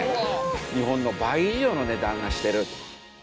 日本の倍以上の値段がしてる。